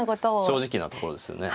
正直なところですよね。